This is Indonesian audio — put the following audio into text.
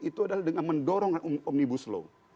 itu adalah dengan mendorong omnibus law